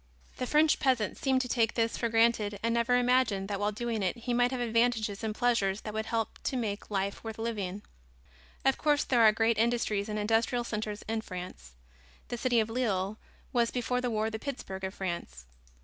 The French peasant seemed to take this for granted and never imagined that while doing it he might have advantages and pleasures that would help to make life worth living. Of course, there are great industries and industrial centers in France. The city of Lille was, before the war, the Pittsburg of France.